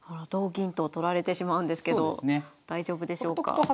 同銀と取られてしまうんですけど大丈夫でしょうか？